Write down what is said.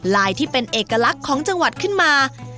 ลายที่เป็นเอกลักษณ์ของจังหวัดขึ้นมา